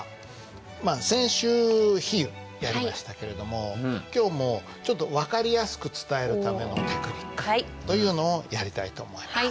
まあ先週「比喩」やりましたけれども今日もちょっと分かりやすく伝えるためのテクニックというのをやりたいと思います。